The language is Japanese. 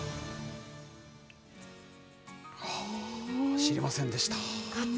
知りませんでした。